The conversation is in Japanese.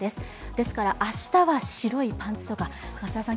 ですから明日は白いパンツとか、松田さん